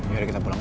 yuk kita pulang ya